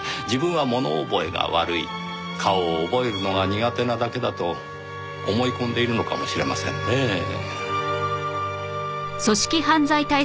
自分は物覚えが悪い顔を覚えるのが苦手なだけだと思い込んでいるのかもしれませんねぇ。